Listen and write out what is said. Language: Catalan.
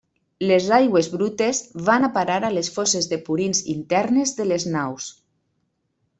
Les aigües brutes van a parar a les fosses de purins internes de les naus.